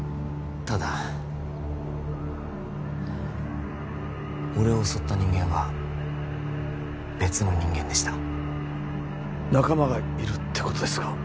ただ俺を襲った人間は別の人間でした仲間がいるってことですか？